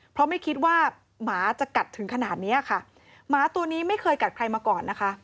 เพราะไม่คิดว่าหมาจะกัดถึงขนาดเนี้ยค่ะหมาตัวนี้ไม่เคยกัดใครมาก่อนนะคะ